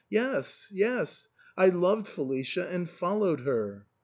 Yes, yes ; I loved Felicia and fol lowed her."